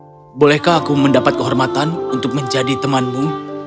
permintaan yang kuat bolehkah aku mendapat kehormatan untuk menjadi temanmu "